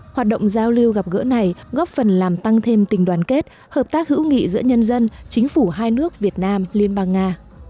hoạt động giao lưu gặp gỡ này góp phần làm tăng thêm tình đoàn kết hợp tác hữu nghị giữa nhân dân chính phủ hai nước việt nam liên bang nga